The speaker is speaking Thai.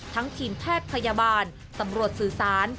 ทั้งทีมแทพพยาบาลตำรวจสื่อสาร